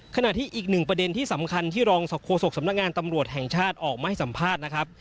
ขณะที่อีกหนึ่งประเด็นที่สำคัญที่รองโฆษกสำนักงานตำรวจแห่งชาติออกมาให้สัมภาษณ์นะครับ